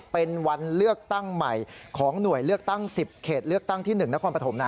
เป็นวันเลือกตั้งใหม่ของหน่วยเลือกตั้ง๑๐เขตเลือกตั้งที่๑นครปฐมนะ